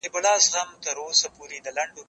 مېوې راټوله